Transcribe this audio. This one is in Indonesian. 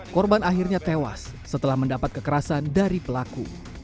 korban akhirnya tewas setelah mendapat kekerasan dari pelaku